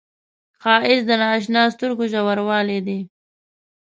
ښایست د نااشنا سترګو ژوروالی دی